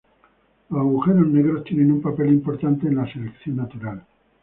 Los agujeros negros tienen un papel importante en la selección natural.